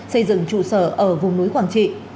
xây dựng trụ sở ở vùng núi quảng trị